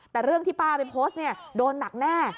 แต่เรื่องที่ป้าไปโพสต์เนี่ยโดนหนักแน่